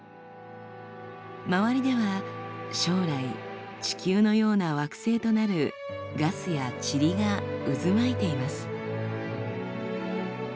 周りでは将来地球のような惑星となるガスや塵が渦巻いています。